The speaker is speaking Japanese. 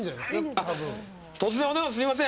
突然お電話すみません。